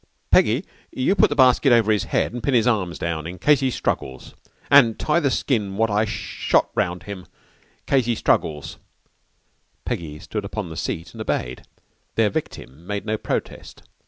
"Peggy, you put the basket over his head an' pin his arms down case he struggles, an' tie the skin wot I shot round him, case he struggles." Peggy stood upon the seat and obeyed. Their victim made no protest.